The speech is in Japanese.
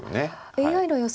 ＡＩの予想